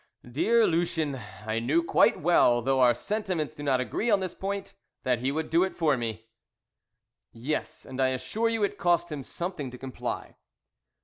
"Dear Lucien, I knew quite well, though our sentiments do not agree on this point, that he would do it for me." "Yes, and I assure you it cost him something to comply."